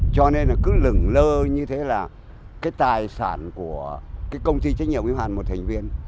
cho nên là cứ lửng lơ như thế là cái tài sản của cái công ty trách nhiệm yếu hạn một thành viên